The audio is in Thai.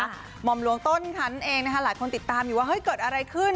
หม่อมหลวงต้นคันนั่นเองนะคะหลายคนติดตามอยู่ว่าเฮ้ยเกิดอะไรขึ้น